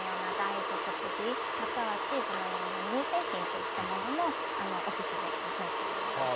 またはチーズのような乳製品といったものもおすすめになっております。